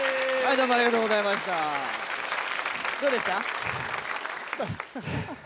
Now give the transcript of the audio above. どうでした？